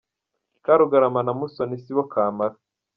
Karugarama na Musoni si bo kamara.